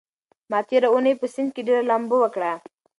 ما تېره اونۍ په سيند کې ډېره لامبو وکړه.